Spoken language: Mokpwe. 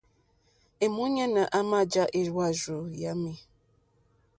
Èmúɲánà àmà jǎ éhwàrzù yámì.